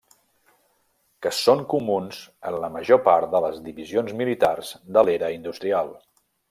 Que són comuns en la major part de les divisions militars de l'era industrial.